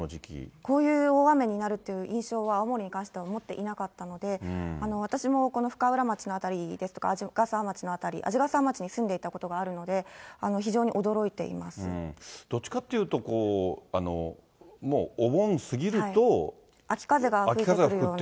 こういう大雨になるっていう印象は、青森に関しては思っていなかったので、私もこの深浦町の辺りとか、鰺ヶ沢町の辺り、鰺ヶ沢町に住んでいたことがあるので、非常に驚どっちかっていうと、秋風が吹いてくるような。